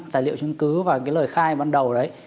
tài liệu chứng cứ và cái lời khai ban đầu đấy